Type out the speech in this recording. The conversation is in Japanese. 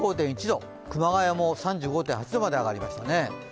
熊谷も３５．８度まで上がりましたね。